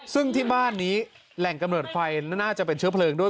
ซึ่งที่บ้านนี้แหล่งกำเนิดไฟน่าจะเป็นเชื้อเพลิงด้วย